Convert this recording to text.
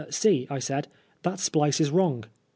" See," I said, ^'that splice is wrong."